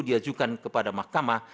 diajukan kepada mahkamah